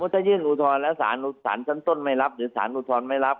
ถ้ายื่นอุทธรณ์แล้วสารชั้นต้นไม่รับหรือสารอุทธรณ์ไม่รับ